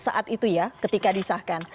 saat itu ya ketika disahkan